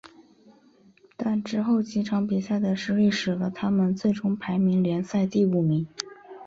但之后几场比赛的失利使得他们最终排名联赛第五名。